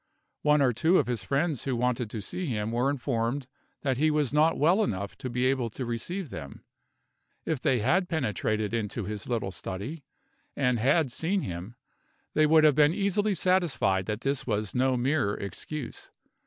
One or two of his friends who wanted to see him were informed that he was not well enough to be able to receive them. If they had penetrated into his little study, and had seen him, they would have been easily satisfied that this was no mere excuse.